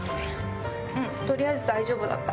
取りあえず大丈夫だった！